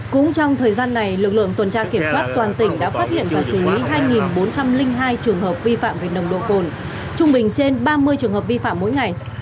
cũng trong thời gian này lực lượng tuần tra kiểm soát toàn tỉnh đã phát hiện và xử lý hai bốn trăm linh hai trường hợp vi phạm về nồng độ cồn trung bình trên ba mươi trường hợp vi phạm mỗi ngày